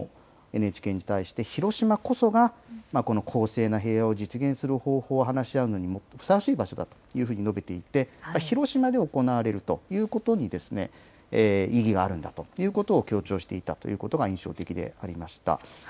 ＮＨＫに対して広島こそが、公正な平和を実現する方法を話し合うのにふさわしい場所だというふうに述べていて、広島で行われるということに、意義があるんだということを強調していたということが印象的でありました。